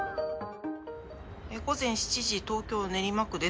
午前７時東京・練馬区です。